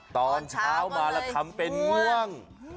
ตอนเช้ามาแล้วทำบันดาลง